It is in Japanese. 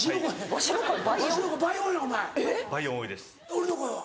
俺の声は？